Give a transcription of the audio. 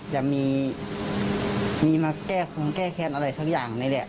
ว่ามีมาแก้เค๊นอะไรสักอย่างนะเนี่ย